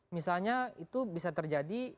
misalnya itu bisa terjadi